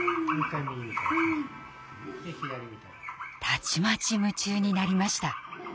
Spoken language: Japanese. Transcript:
たちまち夢中になりました。